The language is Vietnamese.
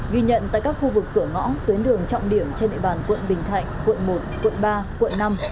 ghi nhận tại các khu vực cửa ngõ tuyến đường trọng điểm trên địa bàn quận bình thạnh quận một quận ba quận năm